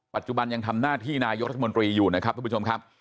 ปัจจุบันยังทำหน้าที่นายกรัฐมนตรีอยู่นะครับทุกผู้ชมครับ